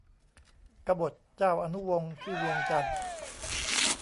กบฏเจ้าอนุวงศ์ ที่เวียงจันทน์